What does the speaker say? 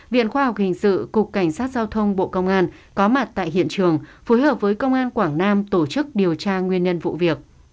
viện khoa học hình sự cục cảnh sát giao thông bộ công an có mặt tại hiện trường phối hợp với công an quảng nam tổ chức điều tra nguyên nhân vụ việc